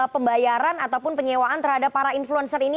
pembayaran ataupun penyewaan terhadap para influencer ini